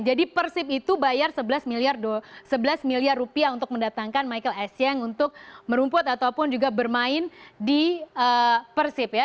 jadi persib itu bayar sebelas miliar rupiah untuk mendatangkan michael a siang untuk merumput ataupun juga bermain di persib ya